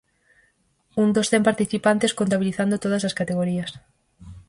Un dos cen participantes contabilizando todas as categorías.